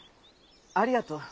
ありがとう。